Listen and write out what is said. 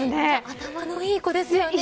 頭のいい子ですよね。